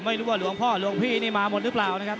ไม่รู้ว่าหลวงพ่อหลวงพี่นี่มาหมดหรือเปล่านะครับ